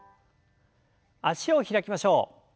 脚を開きましょう。